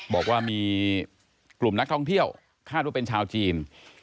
บอกว่ามีกลุ่มนักท่องเที่ยวคาดว่าเป็นชาวจีน